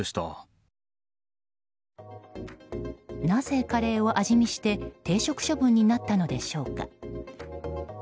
なぜカレーを味見して停職処分になったのでしょうか。